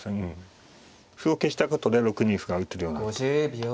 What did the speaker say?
歩を消したことで６二歩が打てるようになると。